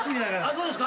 そうですか？